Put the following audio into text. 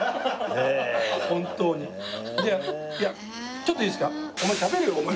ちょっといいですか？